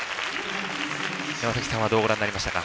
山さんはどうご覧になりましたか？